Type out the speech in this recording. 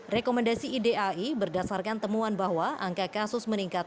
rekomendasi idai berdasarkan temuan bahwa angka kasus meningkat